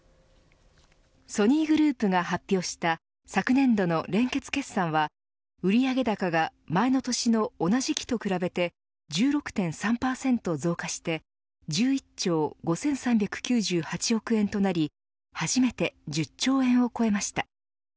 ソニーグループが発表した昨年度の連結決算は売上高が前の年の同じ期と比べて１６．３％増加して１１兆５３９８億円となり初めて１０兆円を超えました。